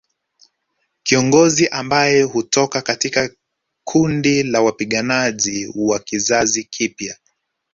Kiongozi ambaye hutoka katika kundi la wapiganaji wa kizazi kipya